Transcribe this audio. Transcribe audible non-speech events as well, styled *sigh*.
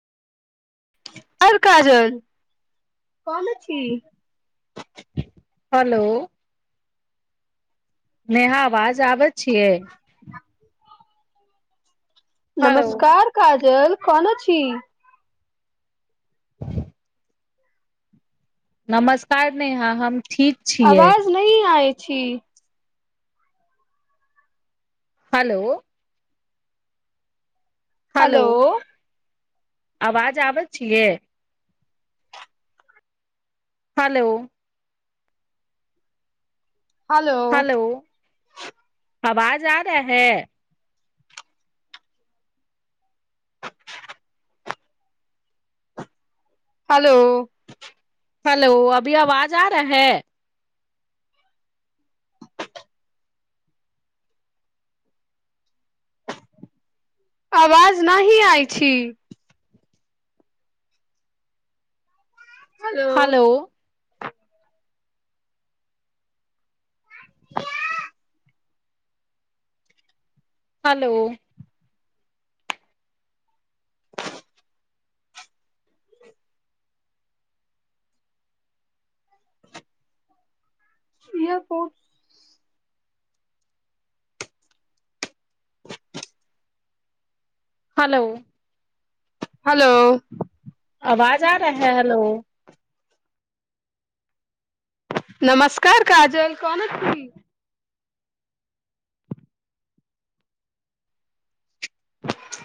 *unintelligible* hello Neha आवाज आबै छियै हेलो नमस्कार काजल *unintelligible* नमस्कार नेहा हम ठीक छियै आवाज नहि आइ छी हेलो हेलो आवाज आबैत छियै hello hello *unintelligible* hello *unintelligible* *unintelligible* hello hello *inaudible* airport hello hello *unintelligible* आवाज आ रहाै हलो *unintelligible* नमस्कार काजल कोना छी